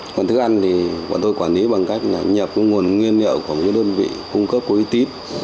nguồn thức ăn thì bọn tôi quản lý bằng cách nhập nguồn nguyên liệu của một đơn vị cung cấp của y tít